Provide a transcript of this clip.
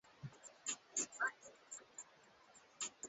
kwenye uwazi na tambarare na mahali ambapo ni rahisi zaidi